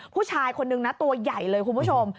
ผู้ชายคนนึงนะตัวใหญ่เลยคุณผู้ชม